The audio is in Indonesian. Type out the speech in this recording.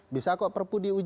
bisa kok perpu diuji